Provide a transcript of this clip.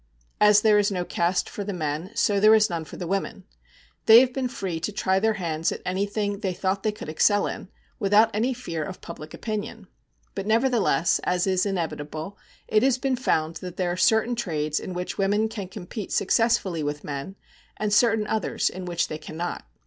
As there is no caste for the men, so there is none for the women. They have been free to try their hands at anything they thought they could excel in, without any fear of public opinion. But nevertheless, as is inevitable, it has been found that there are certain trades in which women can compete successfully with men, and certain others in which they cannot.